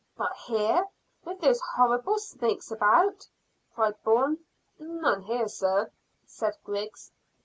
"But here, with those horrible snakes about?" cried Bourne. "None here, sir," said Griggs.